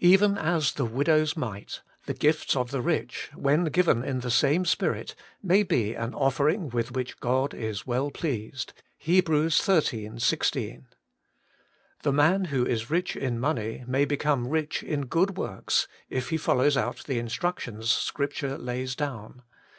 Even as the widow's mite, the gifts of the rich, when given in the same spirit, may be an offering with which God is well pleased (Heb. xiii. 16). The man who is rich in money may become rich in good Working for God 97 works, if he follows out the instructions Scripture lays down.